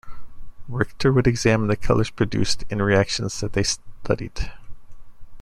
Richter would examine the colors produced in reactions that they studied.